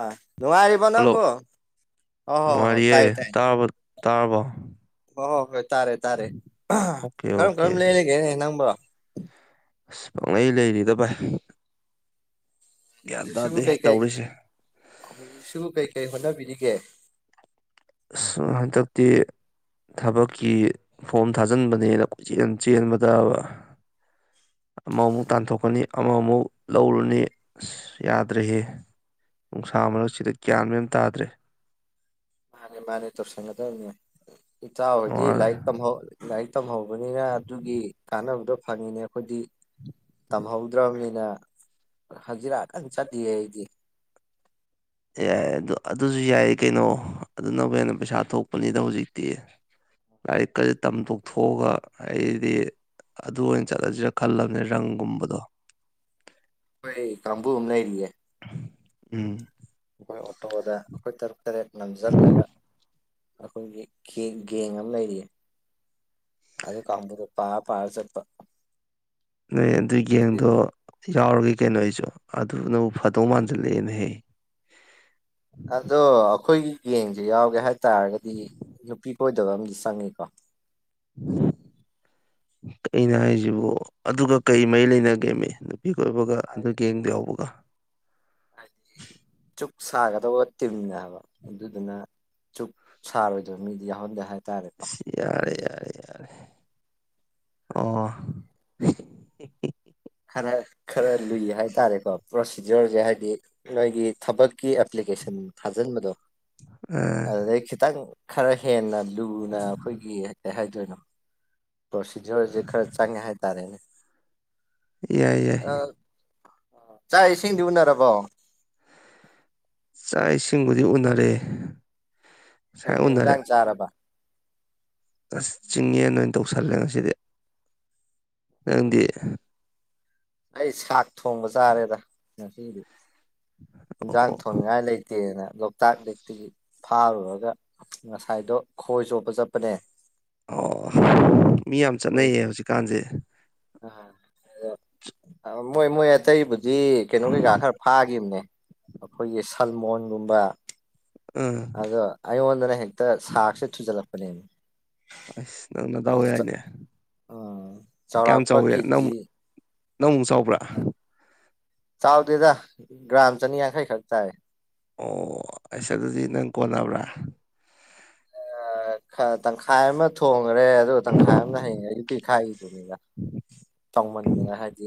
ꯑ ꯅꯅꯨꯡꯉꯥꯏꯔꯤꯕ ꯅꯕꯣ ꯍꯜꯂꯣ ꯑꯣ ꯍꯣ ꯍꯣ ꯅꯨꯡꯉꯥꯏꯔꯤꯌꯦ ꯇꯥꯏ ꯇꯥꯏ ꯇꯥꯔꯕ ꯑꯣ ꯍꯣꯏ ꯇꯥꯔꯦ ꯇꯥꯔꯦ ꯑꯣꯀꯦ ꯀꯔꯝ ꯑꯣꯀꯦ ꯀꯔꯝ ꯂꯩꯔꯤꯒꯦꯅꯦ ꯅꯪꯕꯣ ꯑꯁ ꯄꯪꯉꯩ ꯂꯩꯔꯤꯗ ꯚꯥꯏ ꯒ꯭ꯌꯥꯟ ꯁꯤꯕꯨ ꯇꯥꯗꯦ ꯀꯩꯀꯩ ꯇꯧꯔꯤꯁꯦ ꯁꯤꯕꯨ ꯀꯩꯀꯩ ꯍꯣꯠꯅꯕꯤꯔꯤꯒꯦ ꯍꯥꯏꯇꯞꯗꯤ ꯊꯕꯛꯀꯤ ꯐꯣꯝ ꯊꯥꯖꯤꯟꯕꯅꯦꯅꯆ ꯆꯦꯟꯕꯗ ꯑꯃ ꯑꯃꯨꯛ ꯇꯥꯟꯊꯣꯛꯀꯅꯤ ꯑꯃꯃꯨꯛ ꯂꯧꯔꯨꯅꯤ ꯑꯁ ꯌꯥꯗ꯭ꯔꯍ ꯅꯨꯡꯁꯥ ꯃꯔꯁꯤꯗ ꯒ꯭ꯌꯥꯟ ꯃ ꯑꯃ ꯇꯥꯗ꯭ꯔꯦ ꯃꯥꯅꯦ ꯃꯥꯅꯦ ꯇ ꯁ ꯏ ꯆꯖꯤ ꯃꯥꯅꯦ ꯂꯥꯏꯛ ꯇ ꯂꯥꯏꯛ ꯇꯝ ꯍ ꯐꯕꯅꯤꯅ ꯑꯗꯨꯒꯤ ꯀꯥꯟꯅꯕꯗꯣ ꯐꯪꯉꯤꯅꯦ ꯑꯩꯈꯣꯏꯗꯤ ꯇꯝꯍꯧꯗ꯭ꯔꯕꯅꯤꯅ ꯍꯧꯖꯤꯔꯥ ꯀ ꯆꯠꯂꯤꯌꯦ ꯑꯩꯗꯤ ꯌꯥꯏ ꯑꯗꯨ ꯑꯗꯨꯁꯨ ꯌꯥꯏ ꯀꯩꯅꯣ ꯑꯗꯨꯅꯕꯨ ꯍꯦꯟꯅ ꯄꯩꯁꯥ ꯊꯣꯛꯄꯅꯤꯗ ꯍꯧꯖꯤꯛꯇꯤ ꯂꯥꯏꯔꯤꯛ ꯀꯔꯤ ꯇꯝꯊꯣꯛ ꯊꯣꯛꯣꯛꯑꯒ ꯑꯩꯗꯤ ꯑꯗꯨ ꯑꯣꯏꯅ ꯆꯠꯂꯁꯤꯔ ꯈꯜꯂꯕꯅꯦ ꯔꯪꯒꯨꯝꯕꯗꯣ ꯑꯩꯈꯣꯏ ꯀꯥꯡꯕꯨ ꯑꯃ ꯂꯩꯔꯤꯌꯦ ꯎꯝ ꯑꯩꯈꯣꯏ ꯑꯣꯇꯣꯗ ꯑꯩꯈꯣꯏ ꯇꯔꯨꯛ ꯇꯔꯦꯠ ꯅꯝꯁꯤꯜꯂꯒ ꯑꯩꯈꯣꯏꯒꯤ ꯀ ꯒꯦꯡ ꯑꯃ ꯂꯩꯔꯤꯌꯦ ꯑꯗꯨ ꯑꯝꯕꯗ ꯔꯨꯄꯥ ꯄꯔꯁ ꯔꯨꯄꯥ ꯅꯣꯏ ꯑꯗꯨꯏ ꯌꯦꯡꯗꯣ ꯌꯥꯎꯔꯒꯦ ꯀꯩꯅꯣ ꯑꯩꯁꯨ ꯑꯗꯨꯅꯕꯨ ꯐꯗꯧ ꯃꯥꯟꯁꯤꯜꯂꯛꯑꯦꯅ ꯍꯦꯛ ꯑꯗꯣ ꯑꯩꯈꯣꯏꯒꯤ ꯌꯦꯡꯁꯦ ꯌꯥꯎꯒꯦ ꯍꯥꯏꯇꯥꯔꯒꯗꯤ ꯅꯨꯄꯤ ꯀꯣꯏꯗꯕ ꯑꯃꯗꯤ ꯆꯪꯉꯤꯀꯣ ꯑꯩꯅ ꯍꯥꯏꯁꯤꯕ ꯑꯗꯨꯒ ꯀꯩ ꯃꯔꯤ ꯂꯩꯅꯒꯦꯃꯤ ꯃꯤꯀꯣꯏꯕꯒ ꯑ ꯌꯦꯡꯗ ꯌꯥꯎꯕꯒ ꯍꯥꯏꯗꯤ ꯆꯨꯛ ꯁꯥꯒꯗꯕ ꯑꯣꯠꯇꯤꯝꯅꯦꯕ ꯑꯗꯨꯗꯨꯅ ꯆꯨꯞ ꯁꯔ ꯑꯣꯏꯗꯣ ꯃꯤ ꯌꯥꯎꯍꯣꯟꯥꯏ ꯌꯥꯔꯦ ꯌꯥꯔꯦ ꯌꯥꯔꯦ ꯑꯣ ꯈꯔ ꯈꯔ ꯂꯨꯏ ꯍꯥꯏꯇꯥꯔꯦꯀꯣ ꯄ꯭ꯔꯣꯁꯤꯖꯔꯁꯦ ꯍꯥꯏꯗꯤ ꯅꯣꯏꯒꯤ ꯊꯕꯛ ꯀ ꯑꯦꯄ꯭ꯂꯤꯀꯦꯁꯟ ꯊꯥꯖꯤꯟꯕꯗꯣ ꯑꯥ ꯑꯗꯨꯗꯩ ꯈꯤꯇꯪ ꯈꯔ ꯍꯦꯟꯅ ꯂꯨꯅ ꯑꯩꯈꯣꯏꯒꯤ ꯀꯩ ꯍꯥꯏꯗꯣꯏꯅꯣ ꯄ꯭ꯔꯣꯁꯤꯖꯔꯁꯦ ꯈꯔ ꯆꯪꯉꯦ ꯍꯥꯏꯇꯥꯔꯦꯅꯦ ꯌꯥꯏ ꯌꯥꯏ ꯑ, ꯆꯥꯛ ꯏꯁꯤꯡꯗꯤ ꯎꯅꯔꯕꯣ ꯆꯥꯛ ꯏꯁꯤꯡꯕꯨꯗꯤ ꯎꯅꯔꯦ ꯉꯁꯥꯏ ꯀꯩꯀꯩ ꯎꯅꯔꯦ ꯌꯦꯟꯖꯥꯡ ꯆꯥꯔꯕ ꯑꯁ ꯆꯤꯡꯉꯦ ꯅꯣꯏ ꯇꯧꯁꯜꯂꯦ ꯉꯁꯤꯗꯤ ꯅꯪꯗꯤ ꯑꯩ ꯁꯥꯛ ꯊꯣꯡꯕ ꯆꯥꯔꯦꯗ ꯉꯁꯤꯒꯤꯗꯤ ꯏꯟꯁꯥꯡ ꯑꯣ ꯊꯣꯡꯅꯤꯉꯥꯏ ꯂꯩꯇꯦꯅ ꯂꯣꯛꯇꯥꯛ ꯂ‌ꯦꯛꯇꯒꯤ ꯐꯥꯔꯨꯔꯒ ꯉꯁꯥꯏꯗꯣ ꯈꯣꯏ ꯆꯣꯞꯄ ꯆꯠꯄꯅꯦ ꯑꯣ ꯃꯤ ꯌꯥꯝ ꯆꯠꯅꯩꯌꯦ ꯍꯧꯖꯤꯛꯀꯥꯟꯁꯦ ꯑꯥ ꯑꯗꫭ ꯃꯣꯏ ꯃꯣꯏ ꯑꯇꯩꯕꯨ ꯀꯩꯅꯣ ꯀꯩꯀꯥ ꯈꯔ ꯐꯥꯈꯤꯕꯅꯦ ꯑꯩꯈꯣꯏꯒꯤ ꯁꯜꯃꯣꯟꯒꯨꯝꯕ ꯑꯥ ꯑꯗꯣ ꯑꯩꯉꯣꯟꯗꯅ ꯍꯦꯛꯇ ꯁꯥꯔꯛꯁꯦ ꯊꯨꯖꯜꯂꯛꯄꯅꯦꯃꯤ ꯑꯁ ꯅꯪꯅꯗꯥꯎ ꯌꯥꯏꯅꯦ ꯎꯝ ꯀꯌꯥꯝ ꯆꯥꯎꯔꯥꯛꯄ ꯆꯥꯎꯋꯒ‌ꯦ ꯀꯦꯖꯤ ꯅꯪꯃꯨꯛ ꯅꯪ ꯑꯃꯨꯛ ꯆꯥꯎꯕ꯭ꯔꯥ ꯆꯥꯎꯗꯦꯗ ꯒ꯭ꯔꯥꯝ ꯆꯅꯤꯌꯥꯡꯈꯩ ꯈꯛ ꯇꯥꯏ ꯑꯣ ꯑꯩꯁ ꯑꯗꯨꯗꯤ ꯅꯪ ꯀꯣꯟꯅꯕ꯭ꯔꯥ ꯑꯥ ꯇꯪꯈꯥꯏ ꯑꯃ ꯊꯣꯡꯉꯔꯦ ꯑꯗꯨꯒ ꯇꯪꯈꯥꯏ ꯑꯃꯅ ꯍꯌꯦꯡ ꯑꯌꯨꯛꯀꯤ ꯈꯥꯛꯏ ꯑꯗꯨꯅꯤꯗ ꯆꯥꯎꯃꯟꯗꯅ ꯍꯥꯏꯗꯤ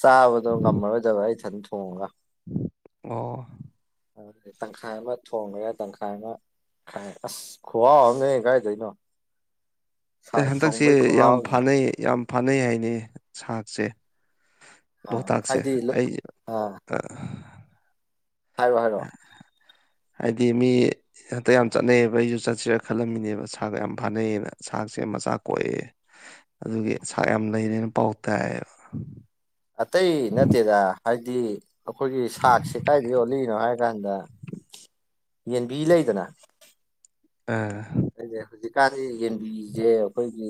ꯆꯥꯕꯗꯣ ꯉꯝꯃꯔꯣꯏꯗꯕ ꯑꯩ ꯏꯊꯟ ꯊꯣꯡꯉꯒ ꯑꯣ ꯑ ꯇꯪꯈꯥꯏ ꯑꯃ ꯊꯣꯡꯉꯥꯒ ꯇꯪꯈꯥꯏꯅꯥꯏ ꯑꯁ ꯈ꯭ꯍꯥꯎꯉ ꯑꯝꯅꯤꯍ‌ꯦ ꯀꯥꯏꯗꯩꯅꯣ ꯁꯥꯛ ꯑꯩ ꯍꯟꯗꯛꯁꯦ ꯊꯣꯡꯕꯩ ꯌꯥꯝ ꯈꯨꯍꯥꯎꯁꯤ ꯐꯥꯅꯩ ꯌꯥꯝ ꯐꯅꯩ ꯍꯥꯏꯅꯤ ꯁꯥꯥꯛꯁꯦ ꯑꯥ ꯂꯣꯛꯇꯥꯛꯁꯦ ꯍꯥꯏꯗꯤ ꯑꯩ ꯍꯥꯏꯣ ꯍꯥꯏꯔꯣ [inaudible] ꯍꯥꯏꯗꯤ ꯃꯤ ꯍꯟꯇꯛ ꯌꯥꯝ ꯆꯠꯅꯩꯌꯦꯕ ꯑꯩꯁꯨ ꯆꯠꯁꯤꯔꯥ ꯈꯜꯂꯝꯃꯤꯅꯦꯕ ꯁꯥꯥꯛ ꯌꯥꯝ ꯐꯥꯅꯩꯌꯦꯅ ꯁꯥꯥꯛꯁꯦ ꯃꯆꯥ ꯀꯣꯛꯑ ꯑꯗꯨꯒꯤ ꯁꯥꯛ ꯌꯥꯝ ꯂꯩꯔ‌ꯦꯅ ꯄꯥꯎ ꯇꯥꯏꯕ ꯑꯇꯩ ꯅꯠꯇꯦꯗ ꯍꯥꯏꯗꯤ ꯑꯩꯈꯣꯏꯒꯤ ꯁꯥꯛꯁꯦ ꯀꯥꯏꯗ ꯌꯣꯜꯂꯤꯅꯣ ꯍꯥꯏ ꯏꯟꯗ ꯌꯦꯟꯕꯤ ꯂꯩꯗꯅ ꯑꯥ ꯑꯩꯖ‌ꯦ ꯍꯧꯖꯤꯛꯀꯥꯟꯗꯤ ꯌꯦꯟꯕꯤꯁꯦ ꯑꯩꯈꯣꯏꯒꯤ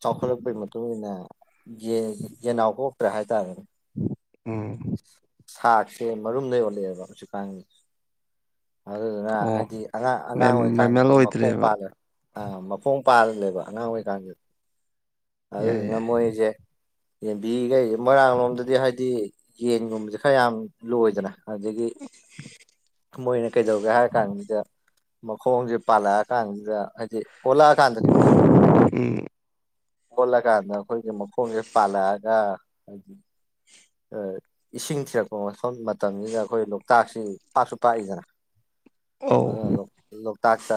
ꯆꯥꯎꯈꯠꯂꯛꯄꯒꯤ ꯃꯇꯨꯡꯏꯟꯅ ꯌ‌ꯦꯟꯖ‌ꯦ ꯌꯦꯅꯥꯎ ꯀꯣꯛꯇ꯭ꯔꯦ ꯍꯥꯏꯇꯥꯔꯦꯅꯦ ꯎꯝ ꯁꯥꯛꯁꯦ ꯃꯔꯨꯝꯗꯩ ꯑꯣꯟꯂꯛꯑꯦꯕ ꯍꯧꯖꯤꯛ ꯀꯥꯟꯁ‌ꯦ ꯑꯗꯨꯗꯨꯅ ꯑꯣ ꯍꯥꯏꯗꯤ ꯑꯉꯥꯡ ꯑꯉꯥꯡ ꯃꯦꯝ ꯃꯦꯃꯦꯜ ꯑꯣꯏꯔꯤꯀꯥꯟꯗꯗꯤ ꯃꯈꯣꯡ ꯑꯣꯏꯗ꯭ꯔꯦꯕ ꯄꯥꯜꯂꯦ ꯑ ꯃꯈꯣꯡ ꯄꯥꯜꯂꯦꯕ ꯑꯉꯥꯡ ꯑꯣꯏꯩꯀꯥꯟꯗꯤ ꯌꯥꯏ ꯑꯗꯨꯗꯨꯅꯥ ꯌꯥꯏ ꯃꯣꯏꯖ‌ꯦ ꯌꯦꯟꯕꯤ ꯀꯩ ꯃꯣꯏꯔꯥꯡ ꯂꯣꯝꯗꯗꯤ ꯍꯥꯏꯗꯤ ꯌꯦꯟꯒꯨꯝꯕꯁꯦ ꯈꯔ ꯌꯥꯝ ꯂꯣꯏꯗꯅ ꯑꯗꯒꯤ [inaudible] ꯃꯣꯏꯅ ꯀꯩꯗꯧꯒꯦ ꯍꯥꯏꯔ ꯀꯥꯟꯁꯤꯗ ꯃꯈꯣꯡꯁꯦ ꯄꯥꯜꯂꯛꯑ ꯀꯥꯟꯁꯤꯗ ꯍꯥꯏꯗꯤ ꯑꫭꯟꯂꯛꯑꯥ ꯀꯥꯟꯗꯅꯤꯀꫭ ꯎꯝ ꯑꯣꯜꯂꯀꯥꯟꯗ ꯑꯩꯈꯣꯏꯒꯤ ꯃꯈꯣꯡꯁꯦ ꯄꯥꯜꯂꯛꯑꯒ ꯍꯥꯏꯗꯤ ꯑꯥ ꯏꯁꯤꯡ ꯊꯤꯔꯛꯄ ꯃꯐꯝ ꯃꯇꯝꯁꯤꯗ ꯑꯩꯈꯣꯏ ꯂꯣꯛꯇꯥꯛꯁꯤ ꯄꯥꯛꯁꯨ ꯄꯥꯛꯏꯗꯅ ꯑꯧ ꯑꯣ ꯂꯣꯛꯇꯥꯛꯇ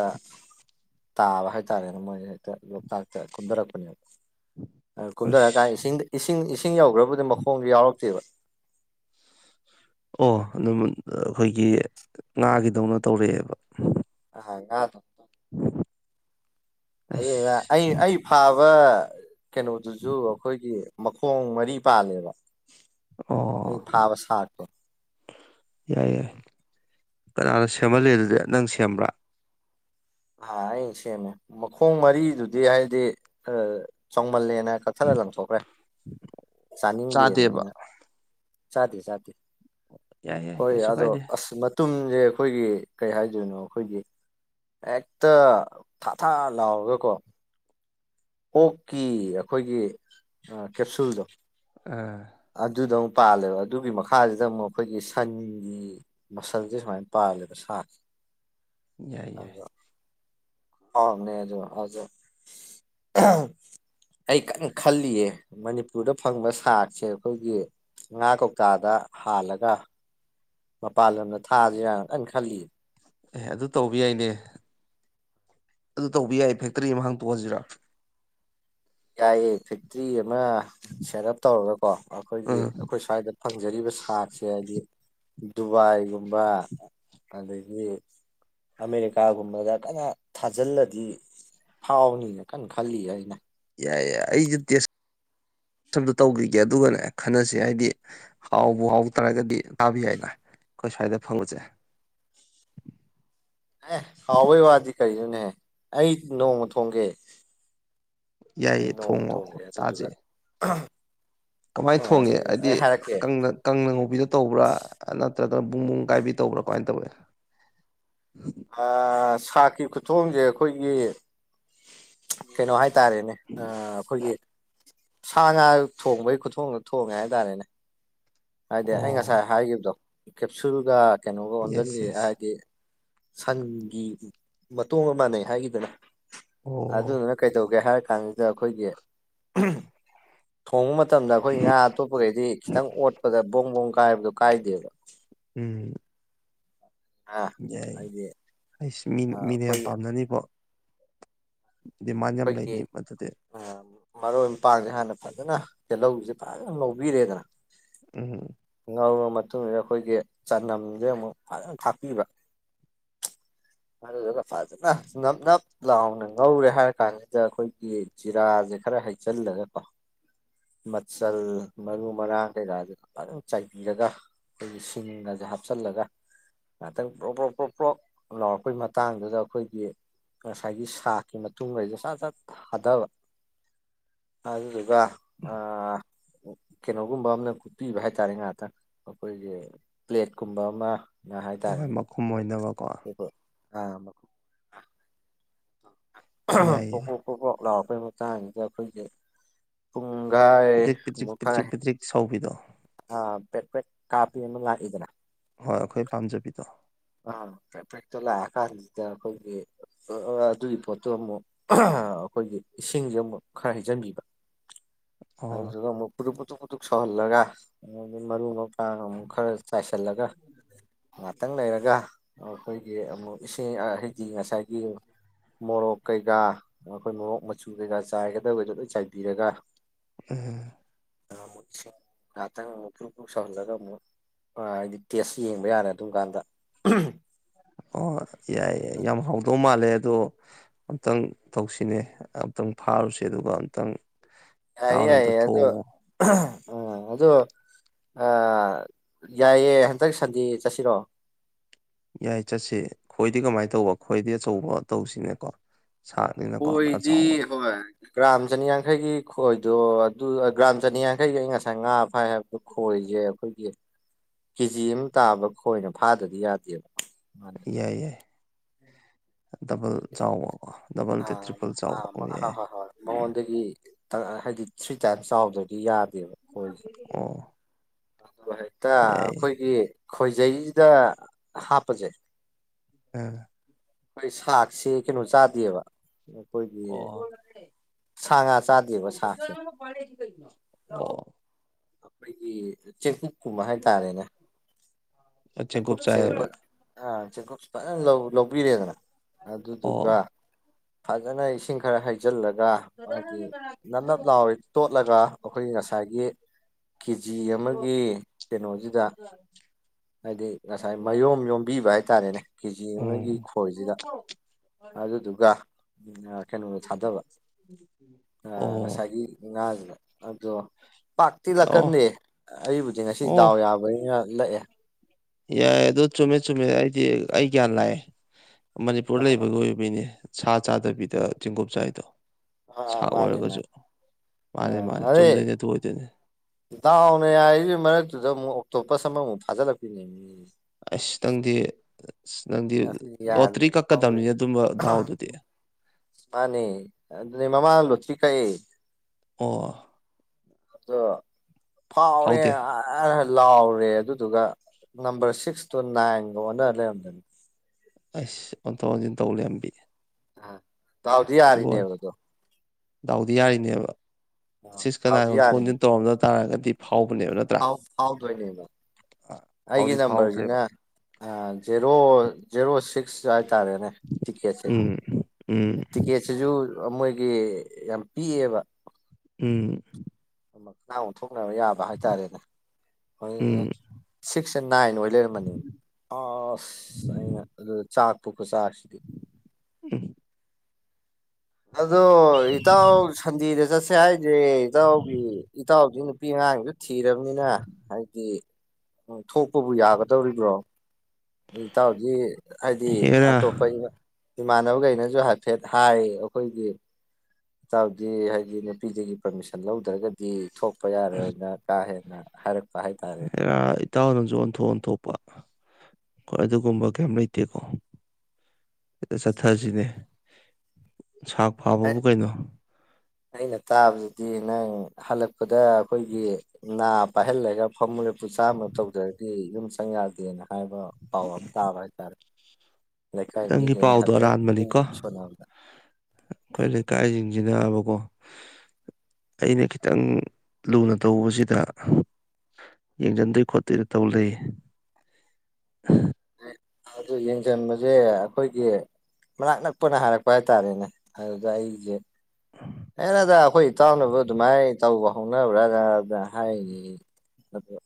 ꯇꯥꯕ ꯍꯥꯏꯇꯥꯔꯦꯅꯦ ꯃꯣꯏꯁꯦ ꯍꯦꯛꯇ ꯂꯣꯛꯇꯥꯛꯇ ꯀꯨꯝꯊꯔꯛꯄꯅꯦꯕ ꯀꯨꯝꯊꯔꯀꯥꯟ ꯑꯁ ꯏꯁꯤꯡ ꯏꯁꯤꯡ ꯏꯁꯤꯡ ꯌꯧꯈ꯭ꯔꯕꯨꯗꯤ ꯃꯈꯣꯡꯁꯨ ꯌꯥꯎꯔꯛꯇꯦꯕ ꯑꯣ ꯑꯗꯨ ꯑꯩꯈꯣꯏꯒꯤ ꯉꯥꯒꯤꯗꯧꯅ ꯇꯧꯔꯛꯑꯦꯕ ꯑꯥ ꯉꯥꯗꯧ ꯇꯧ ꯑꯗꯨꯅ ꯑꯁ ꯑꯩ ꯑꯩ ꯐꯥꯕ ꯀꯩꯅꯣꯗꯨꯁꯨ ꯑꯩꯈꯣꯏꯒꯤ ꯃꯈꯣꯡ ꯃꯔꯤ ꯄꯥꯜꯂꯦꯕ ꯑꯩ ꯑꯣ ꯐꯥꯕ ꯁꯥꯛꯇꯣ ꯀꯅꯥꯅꯣ ꯁꯦꯝꯍꯜꯜꯂꯤꯦ ꯑꯗꯨꯗꯤ ꯅꯪ ꯁꯦꯝꯕ꯭ꯔꯥ ꯑ ꯑ ꯁꯦꯝꯃꯦ ꯃꯈꯣꯡ ꯃꯔꯤꯗꯨꯗꯤ ꯍꯥꯏꯗꯤ ꯃꯜꯂꯦꯅ ꯀꯛꯊꯠꯂ ꯂꯪꯊꯣꯛꯈ꯭ꯔꯦ ꯆꯥꯅꯤꯡꯗꯦꯅ ꯆꯥꯗꯦꯕ ꯑꯩꯅ ꯁꯥꯗꯤꯤ ꯁꯥꯗꯤꯤ ꯌꯥꯏ ꯌꯥꯏ ꯍꯣꯏ ꯀꯩꯁꯨ ꯑꯗꯣ ꯀꯥꯏꯗꯦ ꯑꯁꯃ ꯇꯨꯝꯁꯦ ꯑꯩꯈꯣꯏꯒꯤ ꯀꯩ ꯍꯥꯏꯗꯣꯏꯅꯣ ꯑꯩꯈꯣꯏꯒꯤ ꯍꯦꯛꯇ ꯊꯥ ꯊꯥ ꯂꯥꯎꯔꯒꯀꯣ ꯀꯣꯛꯀꯤ ꯑꯩꯈꯣꯏꯒꯤ ꯀꯦꯞꯁꯨꯜꯗꯣ ꯑꯥ ꯑꯗꯨꯗ ꯑꯃꯨꯛ ꯄꯥꯜꯂꯦꯕ ꯑꯗꯨꯒꯤ ꯃꯈꯥꯁꯤꯗ ꯑꯃꯨꯛ ꯑꯩꯈꯣꯏꯒꯤ ꯁꯟꯒꯤ ꯃꯁꯟꯁꯦ ꯁꯨꯃꯥꯏꯅ ꯄꯥꯜꯂꯦꯕ ꯁꯥꯁꯦ ꯌꯥꯏ ꯌꯥꯏ ꯑꯥꯎ ꯅꯖꯣ ꯑꯖꯣ ꯑꯩ ꯀꯟꯅ ꯈꯜꯂꯤꯌꯦ ꯃꯅꯤꯄꯨꯔꯗ ꯐꯪꯕ ꯁꯥꯔꯁꯦ ꯑꯩꯈꯣꯏꯒꯤ ꯉꯥ ꯀꯧꯇꯥꯗ ꯍꯥꯜꯂꯒ ꯃꯄꯥꯟ ꯂꯝꯗ ꯊꯥꯗꯦꯔꯅ ꯈꯜꯂꯤ ꯑꯦ ꯑꯗꯨ ꯇꯧꯕ ꯌꯥꯏꯅꯦ ꯑꯗꯨ ꯇꯧꯕ ꯌꯥꯏ ꯐꯦꯛꯇꯔꯤ ꯑꯃ ꯍꯥꯡꯇꯣꯛꯍꯁꯤꯔꯥ ꯌꯥꯏꯌꯦ ꯐꯦꯛꯇ꯭ꯔꯤ ꯑꯃ ꯁꯦꯠ ꯑꯞ ꯇꯧꯔꯒꯀꯣ ꯑꯩꯈꯣꯏꯒꯤ ꯎꯝ ꯑꯩꯈꯣꯏ ꯁ꯭ꯋꯥꯏꯗ ꯐꯪꯖꯔꯤꯕ ꯁꯥꯁꯦ ꯍꯥꯏꯕꯗꯤ ꯗꯨꯕꯥꯏꯒꯨꯝꯕ ꯑꯗꯒꯤ ꯑꯃꯦꯔꯤꯀꯥꯒꯨꯝꯕꯗ ꯀꯟꯅ ꯊꯥꯖꯤꯜꯂꯗꯤ ꯍꯥꯎꯥꯎꯅꯤꯅꯦ ꯀꯥꯟ ꯈ ꯍꯥꯏꯅꯦ ꯌꯥꯏ ꯌꯥꯏ ꯑꯩꯁꯨ ꯇꯦꯁ ꯁꯝꯇ ꯇꯧꯕꯈꯤꯒꯦ ꯑꯗꯨꯒꯅꯦ ꯈꯟꯅꯁꯤ ꯍꯥꯏꯗꯤ ꯍꯥꯎꯕ ꯍꯥꯎ ꯇꯥꯔꯒꯗꯤ ꯇꯥꯕ ꯌꯥꯏꯅ ꯑꯩꯈꯣꯏ ꯁ꯭ꯋꯥꯏꯗ ꯐꯪꯉꯨꯁꯦ ꯍ ꯑꯩ ꯅꯣꯡꯃ ꯊꯣꯡꯒꯦ ꯅ ꯌꯥꯏꯌꯦ ꯅꯣꯡ ꯊꯣꯡꯉꯣ ꯊꯣꯡꯉꯛꯑꯦ ꯆꯥꯁꯦ ꯑꯗꯨꯗꯨꯒ ꯀꯃꯥꯏꯅ ꯍꯣꯏ ꯊꯣꯡꯉꯦ ꯑꯗꯨꯒ ꯍꯥꯏꯗꯤ ꯑꯩ ꯍꯥꯏꯔꯛꯀꯦ ꯀꯪꯅ ꯉꯧꯕꯕꯤꯗ ꯇꯧꯕ꯭ꯔꯥ ꯅꯠꯇ꯭ꯔꯒꯅ ꯄꯨꯡ ꯨꯡ ꯀꯥꯏꯕꯤ ꯇꯧꯕ꯭ꯔꯥ ꯀꯃꯥꯏꯅ ꯇꯧꯋꯤ ꯁꯥꯀꯤ ꯈꯨꯊꯣꯡꯁꯦ ꯑꯩꯈꯣꯏꯒꯤ ꯀꯩꯅꯣ ꯍꯥꯏ ꯇꯥꯔꯦꯅꯦ ꯑꯩꯈꯣꯏꯒꯤ ꯁꯥ ꯉꯥ ꯊꯣꯡꯕꯒꯤ ꯈꯨꯊꯣꯡꯗ ꯊꯣꯡꯉꯦ ꯍꯥꯏꯇꯥꯔꯦꯅꯦ ꯍꯥꯏꯗꯤ ꯑꯩ ꯑꯣ ꯉꯁꯥꯏ ꯍꯥꯏꯈꯤꯕꯗꯣ ꯀꯦꯞꯁꯨꯜꯒ ꯀꯩꯅꯣꯒ ꯑꯣꯟꯁꯤꯟꯈꯤ ꯌꯦꯁ ꯌꯦꯁ ꯍꯥꯏꯗꯤ ꯁꯟꯒꯤ ꯃꯇꯨꯡꯣꯡ ꯑꯃ ꯃꯥꯟꯅꯩ ꯍꯥꯏꯈꯤꯗꯅ ꯑꯣ ꯑꯗꯨꯗꯨꯅ ꯀꯩꯗꯧꯒꯦ ꯍꯥꯏꯔ ꯀꯥꯡꯥꯡꯁꯤꯗ ꯑꯩꯈꯣꯏꯒꯤ ꯍꯣꯡꯕ ꯃꯇꯝꯗ ꯑꯩꯈꯣꯏ ꯉꯥ ꯑꯇꯣꯞꯄꯈꯩꯗꯤ ꯈꯤꯇꯪ ꯑꯣꯠꯄꯗ ꯕꯣꯡ ꯕꯣꯡ ꯀꯥꯏꯕꯗꯣ ꯀꯥꯏꯗꯦꯕ ꯎꯝ ꯑꯥ ꯍꯥꯏꯗꯤ ꯑꯩꯁꯤ ꯃꯤ ꯃꯤꯅ ꯌꯥꯝ ꯑꯩꯈꯣꯏ ꯄꯥꯝꯅꯅꯤꯕ ꯑꯩꯈꯣꯏꯒꯤ ꯂꯩꯅꯤ ꯃꯗꯨꯗꯤ ꯑ ꯃꯔꯣꯏ ꯃꯄꯥꯡꯁꯦ ꯍꯥꯟꯅ ꯐꯖꯅ ꯇꯤꯜꯍꯧꯁꯦ ꯐꯖꯅ ꯉꯧꯕꯤꯔꯦꯗꯅ ꯎꯝ ꯇꯧꯔꯕ ꯃꯇꯨꯡꯁꯤꯗ ꯑꯩꯈꯣꯏꯒꯤ ꯆꯅꯝꯁꯦ ꯑꯃꯨꯛ ꯐꯖꯅ ꯊꯥꯛꯄꯤꯕ ꯑꯗꯨꯗꯨꯒ ꯐꯖꯅ ꯅꯞ ꯅꯞ ꯂꯥꯎꯅ ꯉꯧꯔꯦ ꯍꯥꯏꯔ ꯀꯥꯟꯁꯤꯗ ꯑꯩꯈꯣꯏꯒꯤ ꯆꯤꯔꯥꯁꯦ ꯈꯔ ꯍꯩꯆꯜꯂꯒꯀꯣ ꯃꯆꯜ ꯃꯔꯨ ꯃꯔꯥꯡ ꯀꯩꯀꯥꯁꯦꯝ ꯆꯥꯏꯕꯤꯔꯒ ꯑꯩꯈꯣꯏꯒꯤ ꯁꯤꯡꯒꯁꯦ ꯍꯥꯞꯆꯜꯂꯒ ꯉꯥꯛꯇꯪ ꯄ꯭ꯔꯣꯛ ꯄ꯭ꯔꯣꯛ ꯄ꯭ꯔꯣꯛ ꯄ꯭ꯔꯣꯛ ꯂꯥꯎꯔꯛꯄꯩ ꯃꯇꯥꯡꯗꯨꯗ ꯑꯩꯈꯣꯏꯒꯤ ꯉꯁꯥꯏꯒꯤ ꯁꯥꯥꯛꯀꯤ ꯃꯇꯨꯡꯗꯩꯗ ꯆꯥ ꯆꯥ ꯊꯥꯊꯕ ꯑꯗꯨꯗꯨꯒ ꯑ ꯀꯩꯅꯣꯒꯨꯝꯕ ꯑꯃꯅ ꯀꯨꯞꯄꯤꯕ ꯍꯥꯏꯇꯥꯔꯦ ꯉꯍꯥꯛꯇꯪ ꯑꯩꯈꯣꯏꯒꯤ ꯄ꯭ꯂꯦꯠꯀꯨꯝꯕ ꯑꯃ ꯍꯣꯏ ꯃꯈꯨꯝ ꯑꯣꯏꯅꯕ ꯏ ꯑ ꯌꯥꯏꯌꯦ ꯄꯣꯛ ꯄ ꯂ ꯄ ꯃꯠꯇꯅꯤꯖꯣꯏꯖꯦ ꯎ ꯉꯥꯏ ꯄꯤꯗ꯭ꯔꯤꯛ ꯄꯤꯗ꯭ꯔꯤꯛ ꯃꯐꯥꯏ ꯄꯤꯗ꯭ꯔꯤꯛ ꯄꯤꯗ꯭ꯔꯤꯛ ꯁꯧꯕꯤꯗꯣ ꯑ ꯀꯥꯄꯤ ꯏꯅ ꯈꯣꯏ ꯄꯥꯥꯟꯖꯕꯤꯗꯣ ꯑꯥꯦꯛꯇꯣ ꯂꯥꯛꯑ ꯀꯥꯟꯁꯤꯗ ꯑꯩꯈꯣꯏꯒꯤ ꯑꯗꯨꯒꯤ ꯄꯣꯠꯇꯣ ꯑꯃꯨꯛ ꯑ ꯑꯩꯈꯣꯏꯒꯤ ꯏꯁꯤꯡꯁꯦ ꯑꯃꯨꯛ ꯈꯔ ꯍꯩꯖꯤꯟꯕꯤꯕ [inaudible] ꯇꯇ ꯁꯍꯜꯂꯒ ꯃꯔ ꯍꯛꯆꯥꯡ ꯑꯃꯨꯛ ꯈꯔ ꯆꯥꯏꯁꯤꯜꯂꯒ ꯉꯥꯛꯇꯪ ꯂꯩꯔꯒ ꯑꯩꯈꯣꯏꯒꯤ ꯑꯃꯨꯛ ꯏꯁꯤꯡ ꯍꯥꯏꯗꯤ ꯉꯁꯥꯏꯒꯤ ꯃꯣꯔꯣꯛ ꯀꯩꯀꯥ ꯑꯩꯈꯣꯏ ꯃꯣꯔꯣꯛ ꯃꯆꯨ ꯀꯩꯀꯥ ꯆꯥꯏꯒꯗꯩꯁꯨ ꯂꯣꯏ ꯆꯥꯏꯕꯤꯔꯒ ꯎꯝ ꯑ ꯇꯥꯇ ꯃꯠꯇ ꯁꯥꯎꯗꯗ ꯑꯥ ꯍꯥꯏꯗꯤ ꯇꯦꯁ ꯌꯦꯡꯕ ꯌꯥꯔꯦ ꯑꯗꯨꯝ ꯀꯥꯟꯗ ꯑꯣ ꯌꯥꯏꯏ ꯌꯥꯝ ꯍꯥꯎꯗꯧ ꯃꯥꯜꯂꯦ ꯑꯗꯣ ꯑꯝꯛꯇꯪ ꯇꯧꯁꯤꯅꯦ ꯑꯃꯨꯛꯇꯪ ꯐꯥꯔꯨꯁꯦ ꯑꯗꯨꯒ ꯑꯃꯨꯛꯇꯪ ꯍ ꯑꯗꯣ ꯎ ꯑꯗꯣ ꯌꯥꯏꯑꯦ ꯍꯟꯗꯛ ꯁꯟꯗꯦ ꯆꯠꯁꯤꯔꯣ ꯌꯥꯏ ꯆꯠꯁꯤ ꯈꯣꯏꯗꯤ ꯀꯃꯥꯏꯅ ꯇꯧꯕ ꯈꯣꯏꯗꯤ ꯑꯆꯧꯕ ꯇꯧꯁꯤꯅꯦꯀꯣ ꯁꯥꯛꯅꯤꯅꯀꯣ ꯈꯔ ꯈꯣꯏꯗꯤ ꯆꯥꯎꯕ ꯍꯣꯏ ꯀ꯭ꯔꯥꯝ ꯆꯅꯤꯌꯥꯡꯈꯩꯒꯤ ꯈꯣꯏ ꯑꯗꯣ ꯑꯗꯨ ꯒ꯭ꯔꯥꯝ ꯆꯅꯤꯌꯥꯡꯈꯩꯒꯤ ꯑꯩ ꯉꯁꯥꯏ ꯉꯥ ꯐꯥꯏ ꯍꯥꯏꯕꯗꯣ ꯈꯣꯏꯔꯤꯁꯦ ꯑꯩꯈꯣꯏꯒꯤ ꯀꯦꯖꯤ ꯑꯃ ꯇꯥꯕ ꯈꯣꯏꯅ ꯐꯥꯗꯗꯤ ꯌꯥꯗꯦꯕ ꯌꯥꯏ ꯌꯥꯏ ꯗꯕꯜ ꯆꯥꯎꯕꯀꯣ ꯗꯕꯜ ꯑ ꯅꯠꯇꯦ ꯇ꯭ꯔꯤꯄꯜ ꯆꯥꯎꯕ ꯑꯣ ꯍ ꯌꯥꯏ ꯍ ꯃꯉꯣꯟꯗꯒꯤ ꯍꯥꯏꯗꯤꯠ ꯁ꯭ꯋꯇꯔ ꯆꯥꯎꯗꯗꯤ ꯌꯥꯗꯦꯕ ꯑꯩꯣꯏꯁꯦ ꯑꯣ ꯑꯗꯨꯒ ꯍꯦꯛꯇ ꯌꯥꯏ ꯑꯩꯈꯣꯏꯒꯤ ꯈꯣꯏꯖꯩꯁꯤꯗ ꯍꯥꯞꯄꯁꯦ ꯎꯝ ꯍꯣꯏ ꯁꯥꯛꯁꯤ ꯀꯩꯅꯣ ꯆꯥꯗꯦꯕ ꯑꯩꯈꯣꯏꯒꯤ ꯑꯣ ꯁꯥ ꯉꯥ ꯆꯥꯗꯦꯕ ꯁꯥꯁꯦ [inaudible] ꯑꯩꯈꯣꯏꯒꯤ ꯆꯦꯛꯕꯨꯛ ꯀꯨꯝꯕ ꯍꯥꯏꯇꯥꯔꯦꯅꯦ ꯆꯦꯡꯀꯨꯞ ꯨꯞꯁꯦ ꯆꯥꯏꯌꯦꯕ ꯆ ꯂ ꯂꯧꯕꯤꯔꯦꯗꯅ ꯑꯗꯨꯗꯨꯒ ꯑꯣ ꯐꯖꯅ ꯏꯁꯤꯡ ꯈꯔ ꯍꯩꯖꯤꯜꯂꯒ ꯍꯥꯏꯗꯤ ꯅꯞꯅꯞ ꯂꯥꯎꯋꯏ ꯇꯣꯠꯂꯒ ꯑꯩꯈꯣꯏꯒꯤ ꯉꯁꯥꯏꯒꯤ ꯀꯦꯖꯤ ꯑꯃꯒꯤ ꯀꯩꯅꯣꯁꯤꯗ ꯍꯥꯏꯗꯤ ꯉꯁꯥꯏ ꯃꯌꯣꯝ ꯌꯣꯝꯕꯤꯕ ꯍꯥꯏꯇꯥꯔꯦꯅꯦ ꯀꯦꯖꯤ ꯑꯃꯒꯤ ꯎꯝ ꯈꯣꯏꯁꯤꯗ ꯑꯗꯨꯗꯨꯒ ꯀꯩꯅꯣꯗ ꯊꯥꯗꯕ ꯑ ꯑꯣ ꯉꯁꯥꯏꯒꯤ ꯉꯥꯥꯁ ꯑꯣ ꯄꯥꯛꯇꯤ ꯑꯣ ꯂꯥꯛꯀꯟꯗꯦ ꯑꯩꯕꯨꯗꯤ ꯉꯁꯤ ꯑꯣ ꯗꯥꯎ ꯌꯥꯕꯅꯤꯅ ꯂꯥꯛꯑꯦ ꯌꯥꯏ ꯑꯗꯨ ꯆꯨꯝꯃꯦ ꯆꯨꯝꯃꯦ ꯑꯩꯗꯤ ꯑꯩ ꯒ꯭ꯌꯥꯟ ꯂꯥꯛꯑꯦ ꯃꯅꯤꯄꯨꯔ ꯂꯩꯕꯒꯤ ꯑꯣꯏꯕꯩꯅꯦ ꯁꯥ ꯆꯥꯗꯕꯤꯗ ꯆꯦꯡꯒꯣꯞ ꯆꯥꯏꯗꯣ ꯁꯥ ꯑꯥ ꯃꯥꯅꯤ ꯑꯣꯏꯔꯒꯁꯨ ꯃꯥꯅꯤ ꯑ ꯃꯥꯅꯦ ꯃꯥꯅꯦ ꯑꯗꯦ ꯆꯨꯝꯗꯣꯏꯅꯦ ꯑꯗꯨ ꯑꯣꯏꯗꯣꯏꯅꯦ ꯇꯥꯎꯅꯦꯗꯤ ꯃꯔꯛꯇꯨꯗ ꯇꯣꯄꯁ ꯑꯃ ꯐꯥꯖ ꯂ ꯄꯤ ꯑꯁ ꯅꯪꯗꯤ ꯑꯁ ꯅꯪꯗꯤ ꯑꯁꯤꯗꯤ ꯂꯣꯇ꯭ꯔꯤ ꯌꯥꯗ꯭ꯔꯦ ꯀꯛꯀꯗꯕꯅꯤꯅ ꯑꯗꯨꯝꯕ ꯗꯥꯎꯗꯨꯗꯤ ꯃꯥꯅꯦ ꯑꯗꯨꯅꯦ ꯃꯃꯥꯡ ꯂꯣꯇꯔꯤ ꯀꯛꯑꯦ ꯑꯣ ꯑꯗꯣ ꯐꯥꯎꯔꯦ ꯍꯥꯎꯗꯦ ꯂꯥꯎꯔꯦ ꯑꯗꯨꯗꯨꯒ ꯅꯝꯕꯔ ꯁꯤꯛꯁꯇꯣ ꯅꯥꯏꯟꯒ ꯑꯣꯟꯅ ꯂꯩꯔꯝꯗꯅ ꯑꯁ ꯑꯣꯟꯊꯣꯛ ꯑꯣꯟꯖꯤꯟ ꯇꯧ ꯂꯩꯔꯝꯕꯤ ꯥꯗꯥꯎꯗꯤ ꯌꯥꯔꯤꯅꯦ ꯏꯕꯣꯟ ꯑꯗꯣ ꯗꯥꯎꯗꯤ ꯌꯥꯔꯤꯅꯦꯕ ꯑ ꯁꯤꯛꯁꯀ ꯗꯥꯎꯗꯤ ꯅꯥꯏꯟꯒ ꯎꯟꯊꯣꯛ ꯌꯥꯔꯤꯅꯦ ꯎꯟꯖꯤꯟ ꯇꯧꯔꯝꯗ ꯇꯥꯔꯒꯗꯤ ꯐꯥꯎꯕꯅꯦꯕ ꯅꯠꯇ꯭ꯔ ꯐꯥꯎ ꯐꯥꯎꯗꯣꯏꯅꯦꯕ ꯑꯩꯒꯤ ꯅꯝꯕꯔꯁꯤꯅ ꯖꯦꯔꯣ ꯖꯦꯔꯣ ꯁꯤꯛꯁ ꯍꯥꯏꯇꯥꯔꯦꯅꯦ ꯇꯤꯛꯀꯦꯠꯁꯦ ꯎꯝ ꯎꯝ ꯇꯤꯛꯀꯦꯠꯁꯤꯁꯨ ꯃꯣꯏ ꯒꯤ ꯌꯥꯝ ꯄꯤꯛꯑꯦꯕ ꯎꯝ ꯃꯈꯥ ꯑꯣꯟꯊꯣꯛꯅꯕ ꯌꯥꯕ ꯍꯥꯏꯇꯥꯔꯦꯅꯦ ꯎꯝ [unintelligible] ꯁꯤꯛꯁꯦ ꯅꯥꯏꯟ ꯑꯣꯏ ꯂꯩꯔꯝꯕꯅꯤ ꯑꯁ ꯑꯩꯅ ꯑꯗꯨꯗ ꯆꯥꯛ ꯆꯥꯛꯄ ꯈꯨꯆꯥꯛꯁꯤꯗꯤ ꯎꯝ ꯑꯗꯣ ꯏꯇꯥꯎ ꯁꯟꯗꯦꯗ ꯆꯠꯁꯤ ꯁꯦ ꯍꯥꯏꯁꯦ ꯏꯇꯥꯎꯒꯤ ꯏꯇꯥꯎꯗꯤ ꯅꯨꯄꯤ ꯑꯉꯥꯡꯁꯨ ꯊꯤꯔꯕꯅꯤꯅ ꯍꯥꯏꯗꯤ ꯊꯣꯛꯄꯕꯨ ꯌꯥꯒꯗꯧꯔꯤꯕ꯭ꯔꯣ ꯏꯇꯥꯎꯗꯤ ꯍꯥꯏꯗꯤ ꯍꯦꯔꯥ ꯑꯇꯣꯞꯄ ꯏ ꯏꯃꯥꯟꯅꯕꯈꯩꯅꯁꯨ ꯍꯥꯏꯐꯦꯠ ꯍꯥꯏ ꯑꯩꯈꯣꯏꯒꯤ ꯏꯇꯥꯎꯗꯤ ꯍꯥꯏꯗꯤ ꯅꯨꯄꯤꯗꯒꯤ ꯄꯔꯃꯤꯁꯟ ꯂꯧꯗ꯭ꯔꯒꯗꯤ ꯊꯣꯛꯄ ꯌꯥꯔꯣꯏꯅ ꯀꯥ ꯍꯦꯟꯅ ꯍꯥꯏꯔꯛꯄ ꯍꯥꯏꯇꯥꯔꯦ [unintelligible] ꯏꯇꯥꯎꯅꯁꯨ ꯑꯣꯟꯊꯣꯛ ꯑꯣꯟꯊꯣꯛꯄ ꯍꯣꯏ ꯑꯗꯨꯒꯨꯝꯕ ꯀꯩꯝ ꯂꯩꯇꯦꯀꯣ ꯍꯦꯛꯇ ꯆꯠꯊꯖꯤꯅꯦ ꯁꯥꯛ ꯐꯥꯕꯕꯨ ꯀꯩꯅꯣ ꯑꯩꯅ ꯇꯥꯕꯗꯗꯤ ꯅꯪ ꯍꯜꯂꯛꯄꯗ ꯑꯩꯈꯣꯏꯒꯤ ꯅꯥ ꯄꯥꯏꯍꯜꯂꯒ ꯐꯝꯃꯨ ꯂꯦꯞꯄꯨ ꯆꯥꯝꯃ ꯇꯧꯗ꯭ꯔꯗꯤ ꯌꯨꯝ ꯆꯪ ꯌꯥꯗꯦꯅ ꯍꯥꯏꯕ ꯄꯥꯎ ꯑꯃ ꯇꯥꯕ ꯍꯥꯏꯇꯥꯔꯦ ꯂꯩꯀꯥꯏ ꯅꯪꯒꯤ ꯃꯤꯈꯩꯅ ꯄꯥꯎꯗꯣ ꯍꯥꯏꯐꯦꯠ ꯑꯔꯥꯟꯕꯅꯤꯀꯣ ꯃꯤ ꯁꯣꯟꯅꯕꯗ ꯑꯩꯈꯣꯏ ꯂꯩꯀꯥꯏꯁꯤꯡ ꯁꯤꯅꯕꯀꯣ ꯑꯩꯅ ꯈꯤꯇꯪ ꯂꯨꯅ ꯇꯧꯕꯁꯤꯗ ꯌꯦꯡꯁꯟꯗꯣꯏ ꯈꯣꯠꯇꯣꯏꯗ ꯇꯧꯔ ꯂꯩꯌꯦ ꯑꯗꯨ ꯌꯦꯡꯁꯤꯟꯕꯁꯦ ꯑꯩꯈꯣꯏꯒꯤ ꯃꯅꯥꯛ ꯅꯛꯄꯅ ꯍꯥꯏꯔꯛꯄ ꯍꯥꯏꯇꯥꯔꯦꯅꯦ ꯑꯗꯨꯗ ꯑꯩꯁꯦ ꯍꯦꯔꯥꯗ ꯑꯩꯈꯣꯏ ꯏꯇꯥꯎꯅꯕꯨ ꯑꯗꯨꯃꯥꯏꯅ ꯇꯧꯕ ꯍꯧꯅꯕ꯭ꯔꯅ ꯍꯥꯏꯔꯤꯅꯦ ꯑꯗꯨꯗ